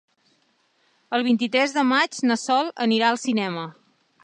El vint-i-tres de maig na Sol anirà al cinema.